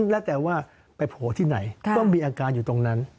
แล้วแต่ว่าไปโผล่ที่ไหนต้องมีอาการอยู่ตรงนั้น